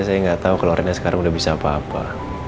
saya gak tau kalo reina sekarang udah bisa apa apa